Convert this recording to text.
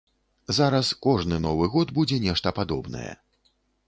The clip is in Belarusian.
Зараз кожны новы год будзе нешта падобнае.